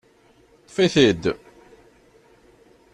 Ṭṭef-it-id!